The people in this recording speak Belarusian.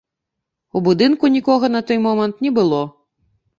У будынку нікога на той момант не было.